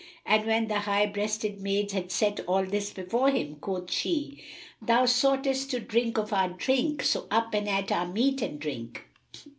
And when the high breasted maids had set all this before him, quoth she, "Thou soughtest to drink of our drink; so up and at our meat and drink!"